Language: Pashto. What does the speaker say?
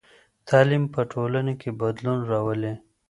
تعلیم په ټولنه کې بدلون راولي.